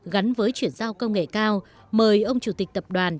gắn với chuyển giao công nghệ cao mời ông chủ tịch tập đoàn